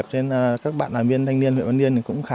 trên tám mươi bốn tỷ đồng